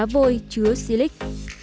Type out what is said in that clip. đá vôi chứa xy lích